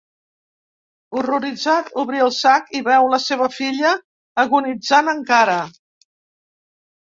Horroritzat, obri el sac i veu la seua filla agonitzant encara.